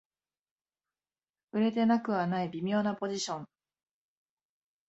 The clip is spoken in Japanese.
売れてなくはない微妙なポジション